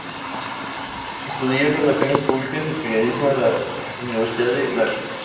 Estudió relaciones públicas y periodismo en la Universidad de Dhaka.